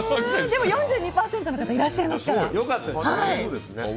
でも４２％の方いらっしゃいますから。